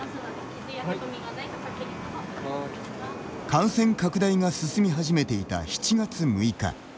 感染拡大が進み始めていた７月６日。